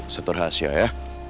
seturah asya ya